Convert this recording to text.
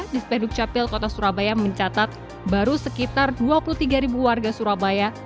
dispenduk capil kota surabaya mencatat baru sekitar dua puluh tiga warga surabaya